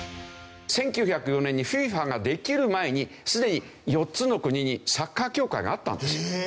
１９０４年にＦＩＦＡができる前にすでに４つの国にサッカー協会があったんです。